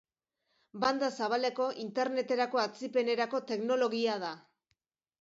Banda zabaleko interneterako atzipenerako teknologia da.